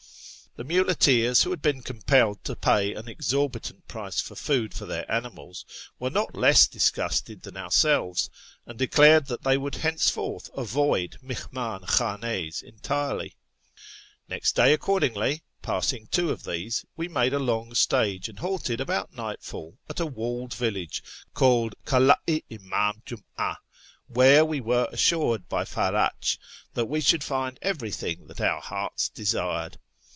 The muleteers, who had been compelled to pay an exorbit ant price for food for their animals, were not less disgusted than ourselves, and declared that they would henceforth avoid mihmdn khdn^s entirely. Next day, accordingly, passing two of these, we made a long stage, and halted about nightfall at a walled village called Kara i Imam Jum'a, where we were assured by Earach that we should find " everything that our hearts desired."